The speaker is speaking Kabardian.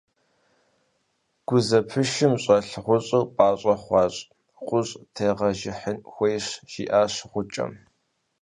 – Гузэпышым щӀэлъ гъущӀыр пӀащӀэ хъуащ, гъущӀ тегъэжыхьын хуейщ, – жиӀащ гъукӀэм.